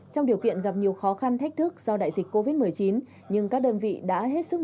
trong điều kiện gặp nhiều khó khăn thách thức do đại dịch covid một mươi chín nhưng các đơn vị đã hết sức